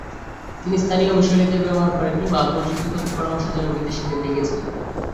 তিনি স্থানীয় মিশরীয়দের ব্যবহার করেননি বা প্রযুক্তিগত পরামর্শের জন্য বিদেশীদের ডেকেছিলেন।